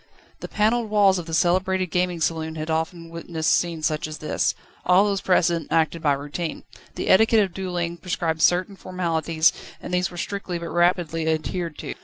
The panelled walls of the celebrated gaming saloon had often witnessed scenes such as this. All those present acted by routine. The etiquette of duelling prescribed certain formalities, and these were strictly but rapidly adhered to.